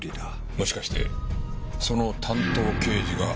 もしかしてその担当刑事が郡侍刑事？